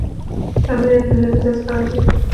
تا وینم چې د لیرې څخه راځې